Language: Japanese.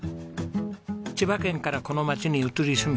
千葉県からこの町に移り住み